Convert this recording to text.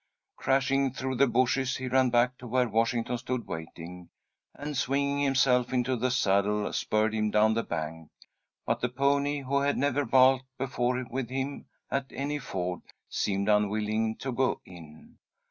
Crashing through the bushes he ran back to where Washington stood waiting, and, swinging himself into the saddle, spurred him down the bank. But the pony, who had never balked before with him at any ford, seemed unwilling to go in.